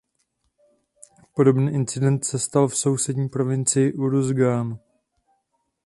Podobný incident se stal v sousední provincii Uruzgán.